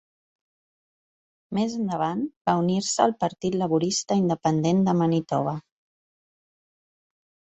Més endavant va unir-se al Partit Laborista Independent de Manitoba.